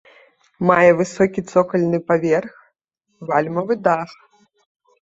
Мае высокі цокальны паверх, вальмавы дах.